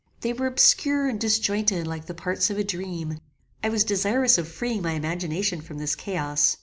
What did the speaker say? They were obscure and disjointed like the parts of a dream. I was desirous of freeing my imagination from this chaos.